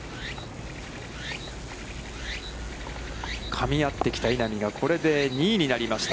かみ合ってきた稲見がこれで２位になりました。